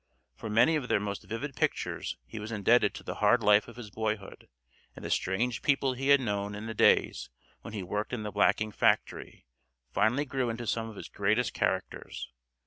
For many of their most vivid pictures he was indebted to the hard life of his boyhood, and the strange people he had known in the days when he worked in the blacking factory finally grew into some of his greatest characters.